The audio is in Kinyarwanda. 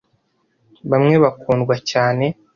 bamwe bakundwa cyane